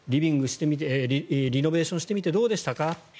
リノベーションしてみてどうでしたか。